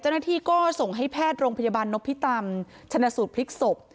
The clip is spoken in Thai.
เจ้าหน้าที่ก็ส่งให้แพทย์โรงพยาบาลนพิตำชนะสูตรพลิกศพ